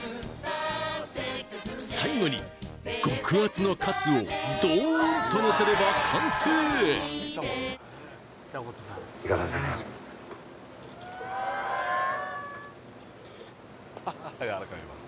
最後に極厚のかつをドーンとのせれば完成いかさせてもらいます